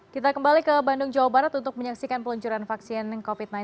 kita kembali ke bandung jawa barat untuk menyaksikan peluncuran vaksin covid sembilan belas